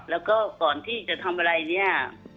แล้วก็ก่อนที่จะทำอะไรเนี่ย